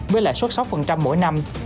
với lại suất sáu mỗi năm